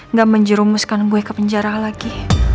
nggak menjerumuskan gue ke penjara lagi